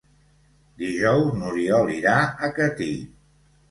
Dijous n'Oriol irà a Catí.